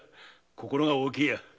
心が大きいや。